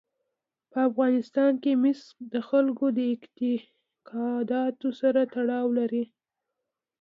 په افغانستان کې مس د خلکو د اعتقاداتو سره تړاو لري.